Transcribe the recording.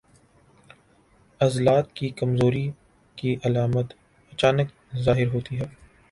عضلات کی کمزوری کی علامات اچانک ظاہر ہوتی ہیں